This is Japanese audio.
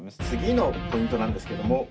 次のポイントなんですけども。